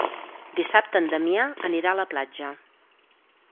Dissabte en Damià anirà a la platja.